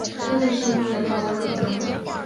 她在西方得到的关注比在中国多。